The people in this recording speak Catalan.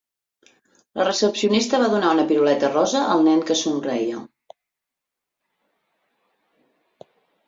La recepcionista va donar una piruleta rosa al nen que somreia.